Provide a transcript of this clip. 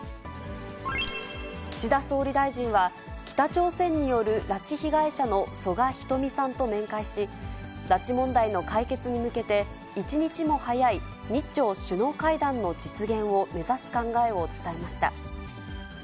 岸田総理大臣は、北朝鮮による拉致被害者の曽我ひとみさんと面会し、拉致問題の解決に向けて、一日も早い日朝首脳会談の実現を目指す考えを伝えました。